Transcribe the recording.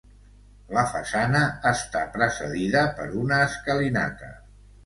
La façana està precedida per una escalinata.